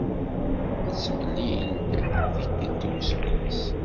Nettemlil-d tikelt i useggas